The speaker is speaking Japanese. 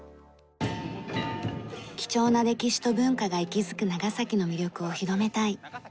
貴重な歴史と文化が息づく長崎の魅力を広めたい。